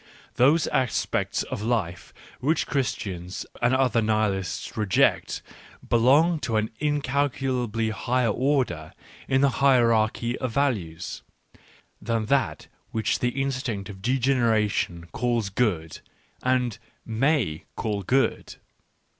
Those aspects of life which Christians and other Nihilists reject, belong to an incalculably higher order in the hierarchy of values, than that which the instinct of degeneration calls good, and may call good.